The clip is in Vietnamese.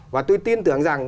và tôi tin tưởng rằng